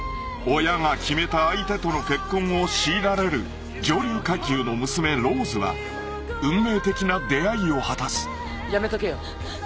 ［親が決めた相手との結婚を強いられる上流階級の娘ローズは運命的な出会いを果たす］やめとけよ。